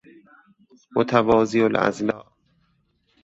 متوازی الاضلاع